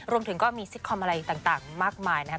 รวมถึงก็มีซิตคอมอะไรต่างมากมายนะครับ